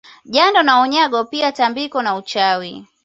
Jando na Unyago pia tambiko na uchawi